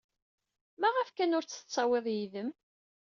Maɣef kan ur t-tettawyeḍ yid-m?